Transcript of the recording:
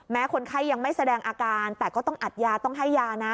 คนไข้ยังไม่แสดงอาการแต่ก็ต้องอัดยาต้องให้ยานะ